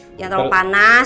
jangan terlalu panas